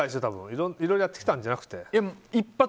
いろいろやってきたんじゃなくて？